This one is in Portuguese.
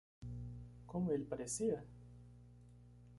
Como ele parecia?